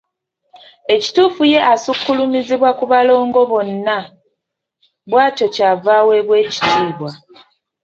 Ekituufu ye asukkulumizibwa ku balongo bonna bw’atyo ky’ava aweebwa ekitiibwa.